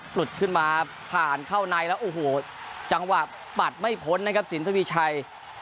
หลุดขึ้นมาผ่านเข้าในแล้วโอ้โหจังหวะปัดไม่พ้นนะครับสินทวีชัย